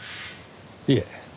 いえ。